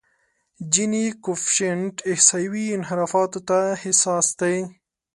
جیني کویفشینټ احصایوي انحرافاتو ته حساس دی.